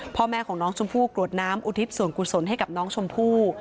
พ่อแม่ของน้องชมพู่กรวดน้ำอุทิศส่วนกุศลให้กับน้องชมพู่